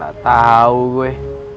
gak tau gue